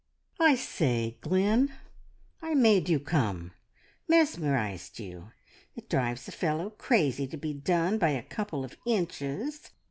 "I say, Glynn, I made you, come! Mesmerised you. It drives a fellow crazy to be done by a couple of inches.